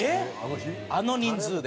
あの人数で？